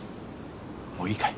もういいかい？